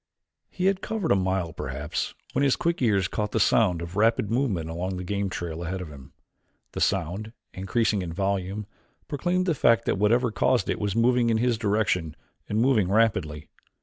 He had covered a mile perhaps when his quick ears caught the sound of rapid movement along the game trail ahead of him. The sound, increasing in volume, proclaimed the fact that whatever caused it was moving in his direction and moving rapidly.